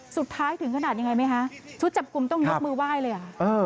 สุดท้ายถึงขนาดอย่างไรไหมชุดจับกลุ่มต้องยกมือไหว้เลย